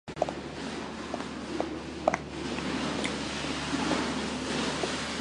パンツは陰干し